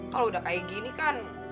kalau udah kayak gini kan